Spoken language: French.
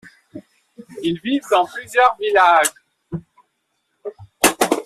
Ils vivent dans plusieurs villages.